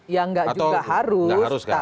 ya tidak juga harus